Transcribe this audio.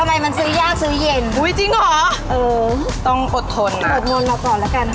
ทำไมมันซื้อยากซื้อเย็นอุ้ยจริงเหรอเออต้องอดทนอดเงินเราก่อนแล้วกัน